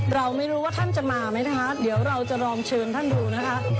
เราไม่รู้ว่าท่านจะมาไหมนะคะเดี๋ยวเราจะลองเชิญท่านดูนะคะ